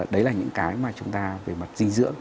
đấy là những cái mà chúng ta về mặt dinh dưỡng